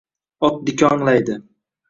Ot dikonglaydi